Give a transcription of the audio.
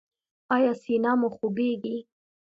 ایا سینه مو خوږیږي؟